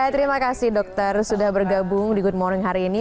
terima kasih dokter sudah bergabung di good morning hari ini